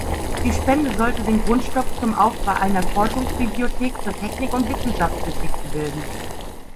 Die Spende sollte den Grundstock zum Aufbau einer Forschungsbibliothek zur Technik- und Wissenschaftsgeschichte bilden.